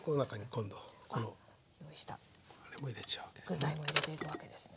具材も入れていくわけですね。